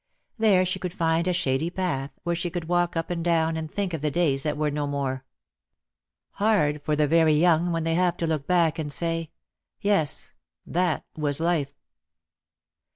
There she could find a shady path, where she could walk up and down, and think of the days that were no more. Hard for the very young when they have to look back and say, "Yes; that was life."